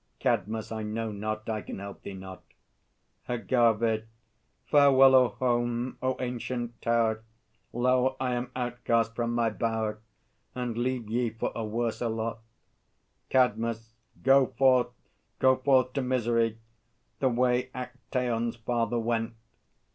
CADMUS. I know not; I can help thee not. AGAVE. Farewell, O home, O ancient tower! Lo, I am outcast from my bower, And leave ye for a worser lot. CADMUS. Go forth, go forth to misery, The way Actaeon's father went!